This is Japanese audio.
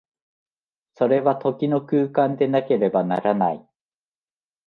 それは時の空間でなければならない。